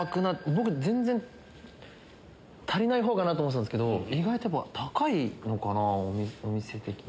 僕全然足りない方かなと思ってたんですけど意外と高いのかなお店的に。